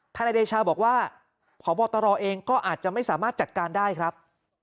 นายเดชาบอกว่าพบตรเองก็อาจจะไม่สามารถจัดการได้ครับ